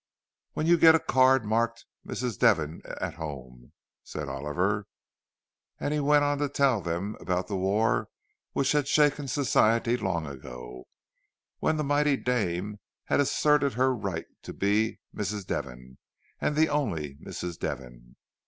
"When you get a card marked 'Mrs. Devon at home,'" said Oliver. And he went on to tell them about the war which had shaken Society long ago, when the mighty dame had asserted her right to be "Mrs. Devon," and the only "Mrs. Devon."